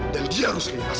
dan dia rosli mas